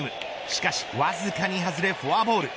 しかしわずかに外れフォアボール。